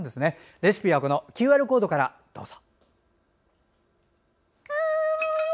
レシピはＱＲコードからどうぞ。